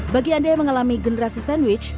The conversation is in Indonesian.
bagi anda yang mengalami generasi sandwich